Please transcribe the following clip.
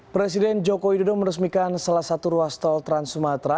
presiden joko widodo meresmikan salah satu ruas tol trans sumatera